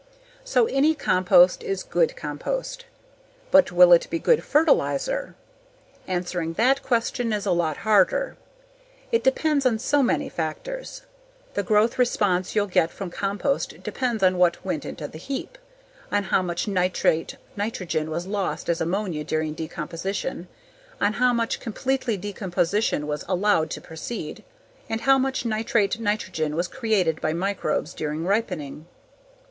So any compost is good compost. But will it be good fertilizer? Answering that question is a lot harder: it depends on so many factors. The growth response you'll get from compost depends on what went into the heap, on how much nitrate nitrogen was lost as ammonia during decomposition, on how completely decomposition was allowed to proceed, and how much nitrate nitrogen was created by microbes during ripening.